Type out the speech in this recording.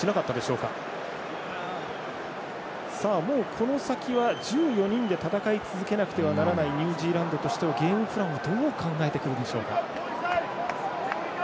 この先は、１４人で戦い続けなくてはいけないニュージーランドとしてはゲームプランはどう考えてくるでしょうか。